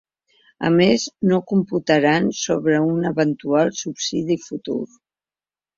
A més, no computaran sobre un eventual subsidi futur.